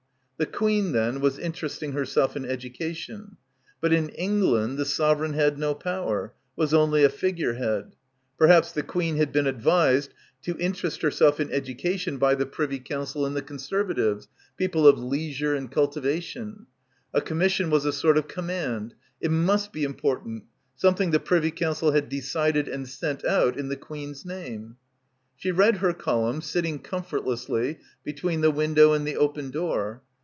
The Queen, then, was interesting herself in education. But in England the sovereign had no power, was only a figure head. Perhaps the Queen had been advised to interest herself in education by the Privy Council and the Conservatives, people of leisure and culti — 106 — BACKWATER vation. A commission was a sort of command — it must be important, something the Privy Council had decided and sent out hj the Queen's name. She read her column, sitting comfortlessly be tween the window and the open door.